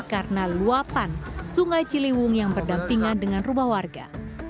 karena luapan sungai ciliwung yang berdampingan dengan rumah warga